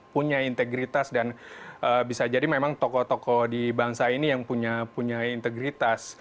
punya integritas dan bisa jadi memang tokoh tokoh di bangsa ini yang punya integritas